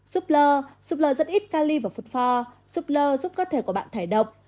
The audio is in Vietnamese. súp lơ súp lơ dẫn ít cali và phốt pho súp lơ giúp cơ thể của bạn thải độc